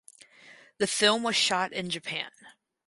The film was shot in Japan.